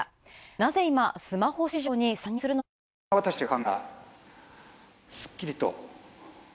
なぜ今、スマホ市場に参入するのでしょうか。